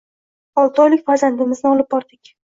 Olti oylik farzandimizni olib bordik.